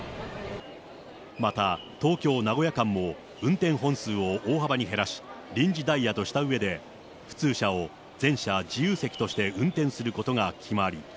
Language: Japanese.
また東京・名古屋間も、運転本数を大幅に減らし、臨時ダイヤとしたうえで、普通車を全車自由席として運転することが決まり。